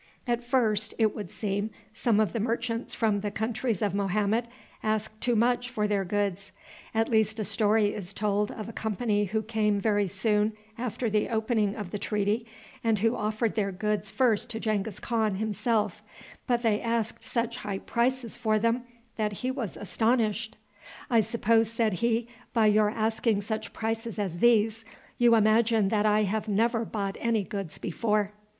At first, it would seem, some of the merchants from the countries of Mohammed asked too much for their goods. At least a story is told of a company who came very soon after the opening of the treaty, and who offered their goods first to Genghis Khan himself, but they asked such high prices for them that he was astonished. "I suppose," said he, "by your asking such prices as these, you imagine that I have never bought any goods before."